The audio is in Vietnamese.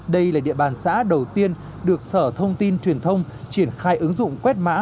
đây là địa bàn xã đầu tiên được sở thông tin truyền thông triển khai ứng dụng quét mã